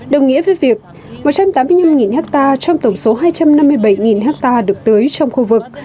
đồng nghĩa với việc một trăm tám mươi năm hectare trong tổng số hai trăm năm mươi bảy hectare được tới trong khu vực